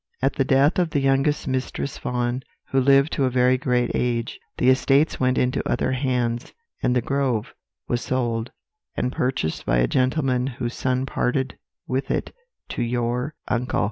At the death of the youngest Mistress Vaughan, who lived to a very great age, the estates went into other hands, and The Grove was sold, and purchased by a gentleman whose son parted with it to your uncle.